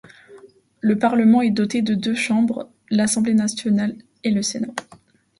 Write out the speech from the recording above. Le Parlement est doté de deux chambres, l’Assemblée nationale et le Sénat.